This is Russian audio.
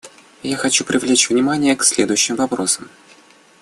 Я хочу привлечь внимание к следующим вопросам.